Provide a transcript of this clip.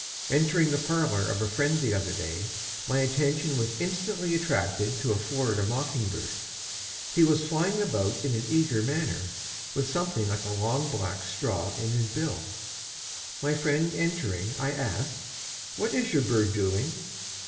"Entering the parlor of a friend the other day, my attention was instantly attracted to a Florida Mockingbird. He was flying about in an eager manner, with something like a long black straw in his bill. My friend entering, I asked: 'What is your bird doing?'